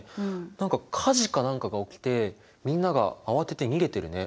何か火事か何かが起きてみんなが慌てて逃げてるね。